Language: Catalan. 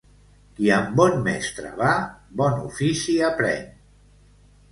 Qui amb bon mestre va, bon ofici aprèn.